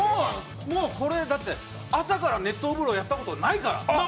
だって、朝から熱湯風呂やったことないから。